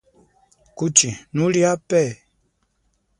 Kuchi, nuli ape?